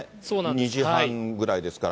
２時半ぐらいですから。